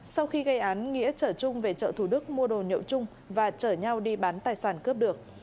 sau khi gây án nghĩa trở trung về chợ thủ đức mua đồ nhậu chung và chở nhau đi bán tài sản cướp được